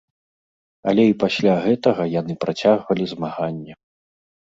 Але і пасля гэтага яны працягвалі змаганне.